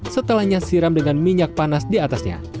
setelahnya siram dengan minyak panas di atasnya